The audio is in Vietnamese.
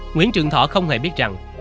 nguyễn trường thọ không hề biết rằng